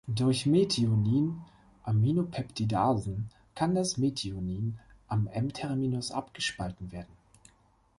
Durch Methionin-Aminopeptidasen kann das Methionin am "N"-Terminus abgespalten werden.